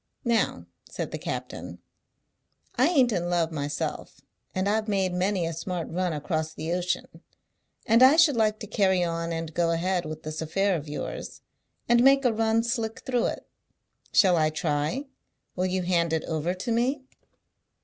"Now," said the captain, "I ain't in love myself, and I've made many a smart run across the ocean, and I should like to carry on and go ahead with this affair of yours, and make a run slick through it. Shall I try? Will you hand it over to me?"